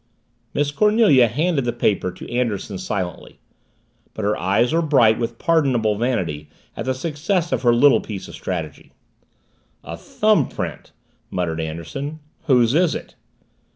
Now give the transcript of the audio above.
Miss Cornelia handed the paper to Anderson silently. But her eyes were bright with pardonable vanity at the success of her little piece of strategy. "A thumb print," muttered Anderson. "Whose is it?"